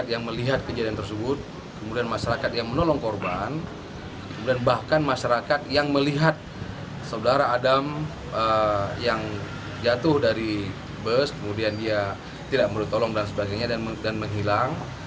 yang jatuh dari bus kemudian dia tidak menolong dan sebagainya dan menghilang